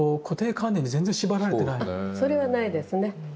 それはないですね。